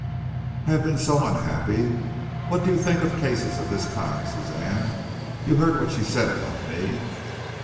I have been so unhappy. What do you think of cases of this kind, Suzanne? You heard what she said about me."